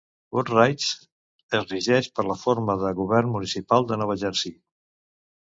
Wood-Ridge es regeix per la forma de govern municipal de Nova Jersey.